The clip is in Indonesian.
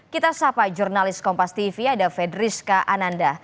kita sapa jurnalis kompas tv ada fedriska ananda